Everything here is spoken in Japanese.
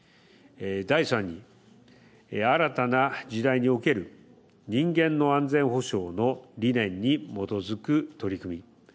第３に、新たな時代における人間の安全保障の理念に基づく取り組み。